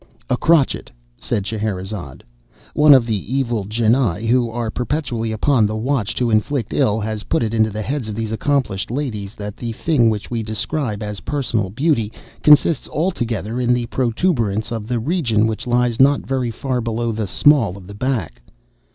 "'A crotchet'" said Scheherazade. "'One of the evil genii, who are perpetually upon the watch to inflict ill, has put it into the heads of these accomplished ladies that the thing which we describe as personal beauty consists altogether in the protuberance of the region which lies not very far below the small of the back.